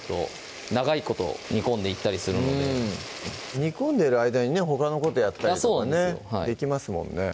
長いこと煮込んでいったりするので煮込んでる間にねほかのことやったりとかねできますもんね